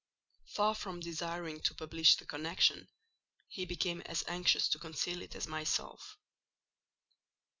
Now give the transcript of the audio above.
Far from desiring to publish the connection, he became as anxious to conceal it as myself.